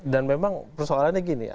dan memang persoalannya gini